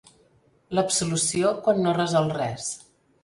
L'absolució quan no resol res.